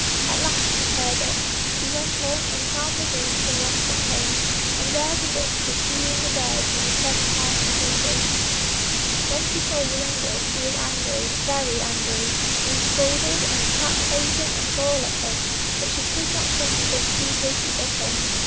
At last he heard it. He went on and found the room from whence it came, and there the witch was feeding the birds in the seven thousand cages. When she saw Joringel she was angry, very angry, and scolded and spat poison and gall at him, but she could not come within two paces of him.